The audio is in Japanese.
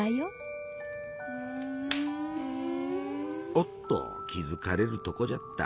おっと気付かれるとこじゃった。